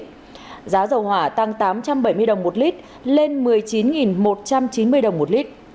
tương tự giá dầu diesel tăng tám trăm chín mươi đồng một lít lên một mươi chín một trăm chín mươi đồng một lít